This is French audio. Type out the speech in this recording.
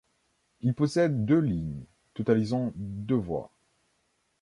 Il possède deux lignes, totalisant de voies.